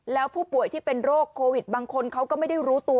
แล้วผู้ป่วยที่เป็นโรคโควิดบางคนเขาก็ไม่ได้รู้ตัว